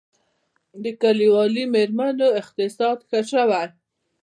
د کلیوالي میرمنو اقتصاد ښه شوی؟